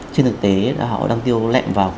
trên thực tế họ đang tiêu lẹm vào